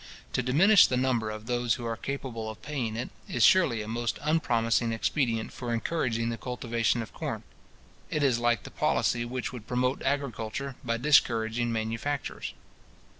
To diminish the number of those who are capable of paying it, is surely a most unpromising expedient for encouraging the cultivation of corn. It is like the policy which would promote agriculture, by discouraging manufactures.